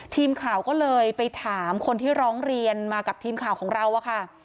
ทีมข่าวก็เลยไปถามคนที่ร้องเรียนมากับทีมข่าวของเราอะค่ะ